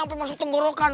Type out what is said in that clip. sampai masuk tenggorokan